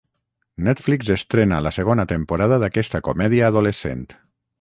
Netflix estrena la segona temporada d'aquesta comèdia adolescent